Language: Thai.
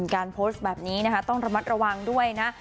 การโพสต์แบบนี้นะคะต้องระมัดระวังด้วยนะ